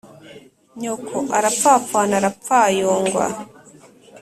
( nyoko ) arapfapfana ara pfayongwa :